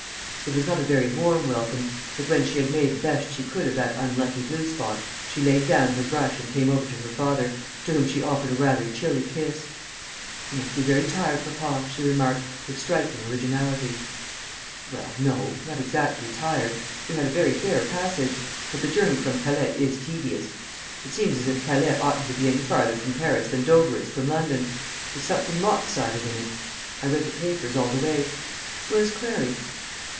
It was not a very warm welcome; but when she had made the best she could of that unlucky blue spot, she laid down her brush and came over to her father, to whom she offered a rather chilly kiss. "You must be very tired, papa," she remarked, with striking originality. "Well, no; not exactly tired. We had a very fair passage; but the journey from Calais is tedious. It seems as if Calais oughtn't to be any farther from Paris than Dover is from London. There's something lop sided in it. I read the papers all the way. Where's Clarry?"